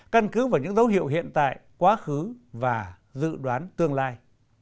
căn cứ vào những dấu hiệu hiện tại quá khứ và dự đoán tương lai